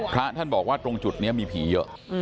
พระท่านบอกว่าตรงจุดนี้มีผีเยอะ